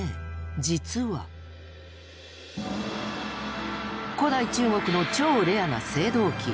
実は古代中国の超レアな青銅器。